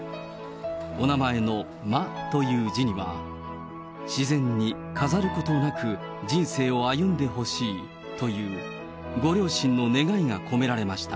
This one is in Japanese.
お名前の眞という字には、自然に飾ることなく人生を歩んでほしいという、ご両親の願いが込められました。